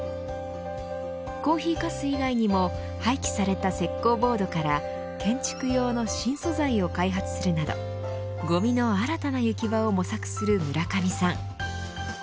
コーヒーかす以外にも廃棄された石こうボードから建築用の新素材を開発するなどごみの新たな行き場を模索する村上さん。